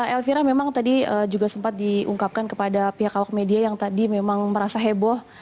elvira memang tadi juga sempat diungkapkan kepada pihak awak media yang tadi memang merasa heboh